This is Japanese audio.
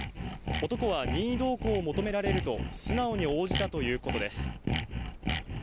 男は任意同行を求められると素直に応じたということです